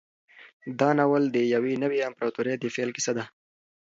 دا ناول د یوې نوې امپراطورۍ د پیل کیسه ده.